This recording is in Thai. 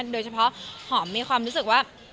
โดยเฉพาะหอมมีความรู้สึกว่า